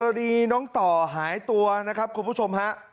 ดีน้องต่อหายตัวนะครับคุณผู้ชมฮะ